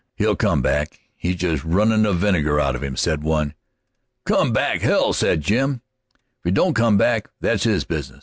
"He'll come back; he's just runnin' the vinegar out of him," said one. "Come back hell!" said Jim. "If he don't come back, that's his business.